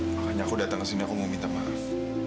makanya aku datang kesini aku mau minta maaf